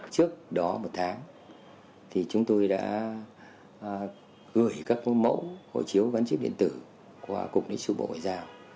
trước đó một tháng chúng tôi đã gửi các mẫu hộ chiếu gắn chiếp điện tử qua cục nguyên sự bộ hội giao